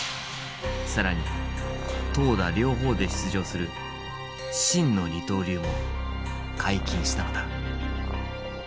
更に投打両方で出場する真の二刀流も解禁したのだ。